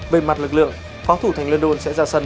về mặt lực lượng phóng thủ thành london sẽ ra sân